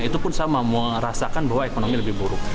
itu pun sama merasakan bahwa ekonomi lebih buruk